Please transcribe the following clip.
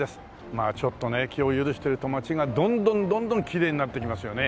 まあちょっとね気を許していると街がどんどんどんどんきれいになっていきますよね。